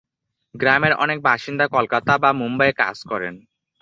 গ্রামের অনেক বাসিন্দা কলকাতা বা মুম্বইয়ে কাজ করেন।